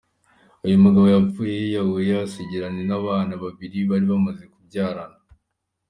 Uyu mugabo yapfuye yiyahuye, asigira Nina abana babiri bari bamaze kubyarana.